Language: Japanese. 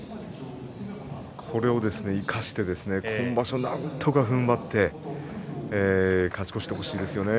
これを生かして今場所なんとかふんばって勝ち越してほしいですよね。